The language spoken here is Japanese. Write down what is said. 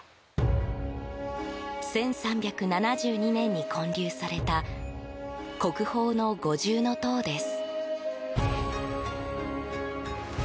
１３７２年に建立された国宝の五重塔です。